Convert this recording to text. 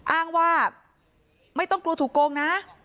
อ้างว่าไม่ต้องกลัวถูกโกงนะ